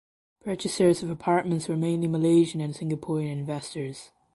Purchasers of apartments were mainly Malaysian and Singaporean investors.